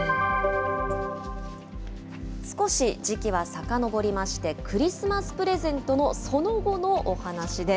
少し時期はさかのぼりまして、クリスマスプレゼントのその後のお話です。